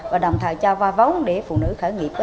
và đồng thời cho va vóng để phụ nữ khởi nghiệp